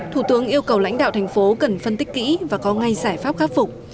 thủ tướng yêu cầu lãnh đạo thành phố cần phân tích kỹ và có ngay giải pháp khắc phục